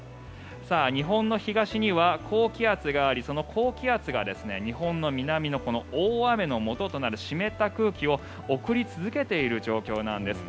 日本の東には高気圧がありその高気圧が日本の南の大雨のもととなる湿った空気を送り続けている状況なんです。